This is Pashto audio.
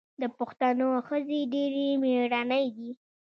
د پښتنو ښځې ډیرې میړنۍ دي.